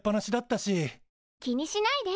気にしないで。